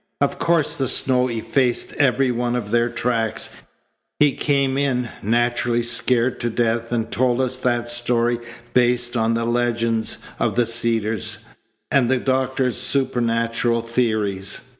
Of course the snow effaced every one of their tracks. He came in, naturally scared to death, and told us that story based on the legends of the Cedars and the doctor's supernatural theories.